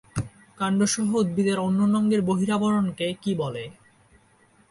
কাণ্ডসহ উদ্ভিদের অন্যান্য অঙ্গের বহিরাবরণকে কী বলে?